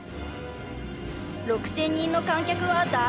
６，０００人の観客は大興奮！